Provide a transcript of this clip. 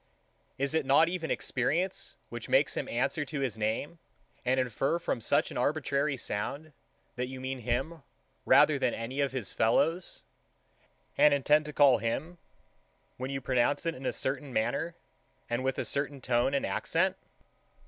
Is it not even experience, which makes him answer to his name, and infer, from such an arbitrary sound, that you mean him rather than any of his fellows, and intend to call him, when you pronounce it in a certain manner, and with a certain tone and accent?